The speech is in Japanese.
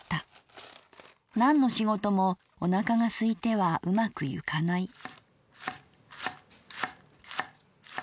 なんの仕事もおなかがすいてはうまくゆかない」。